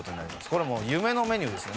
これもう夢のメニューですね。